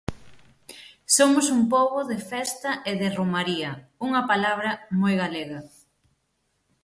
Somos un pobo de festa e de romaría, unha palabra moi galega.